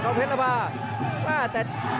สู้กับเสือปักหลักแรกเลยครับ